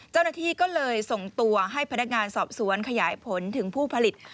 เจ้าหน้าที่ก็เลยส่งตัวให้พนักงานสอบสวนขยายผลถึงผู้ผลิต